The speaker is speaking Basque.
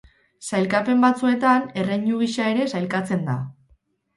Sailkapen batzuetan erreinu gisa ere sailkatzen da.